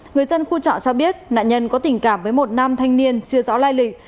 người dân khu trọ cho biết nạn nhân có tình cảm với một nam thanh niên chưa rõ lai lịch